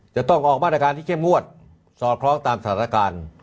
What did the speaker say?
จะต้องออกมาตรการที่เข้มงวดสอดคล้องตามสถานการณ์